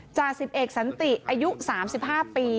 จากอยู่ประสงค์สันติอายุ๓๕ปี